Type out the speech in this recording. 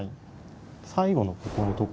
最後のここのところ。